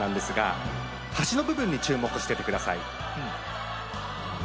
橋の部分に注目してください。